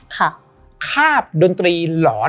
คาบดนตรีหลอน